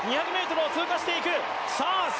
２００ｍを通過していく。